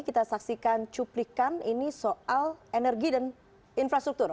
kita saksikan cuplikan ini soal energi dan infrastruktur